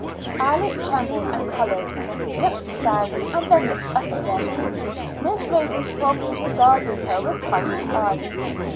Alice trembled and colored, looked down, and then looked up again. Miss Ravenscroft was regarding her with kindly eyes.